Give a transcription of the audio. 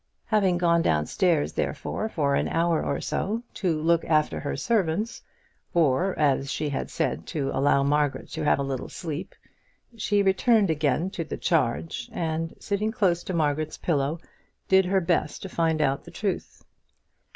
Having gone downstairs, therefore, for an hour or so to look after her servants, or, as she had said, to allow Margaret to have a little sleep, she returned again to the charge, and sitting close to Margaret's pillow, did her best to find out the truth.